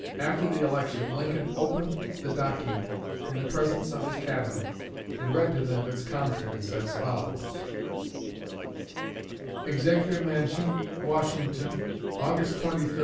After the election, Lincoln opened the document in the presence of his Cabinet and read to them its contents, as follows: EXECUTIVE MANSION, WASHINGTON, August 23, 1864.